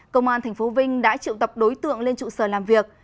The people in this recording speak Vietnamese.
công an tp vinh đã triệu tập đối tượng lên trụ sở làm việc